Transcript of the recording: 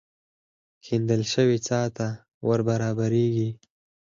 کېندل شوې څاه ته ور برابرېږي.